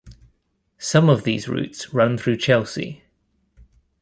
Some of these routes run through Chelsea.